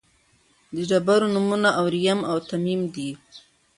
د ډبرو نومونه اوریم او تمیم دي.